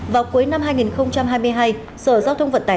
vào cuối năm hai nghìn hai mươi hai sở giao thông vận tải hà nội vừa yêu cầu